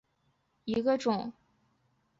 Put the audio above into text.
大花嵩草为莎草科嵩草属下的一个种。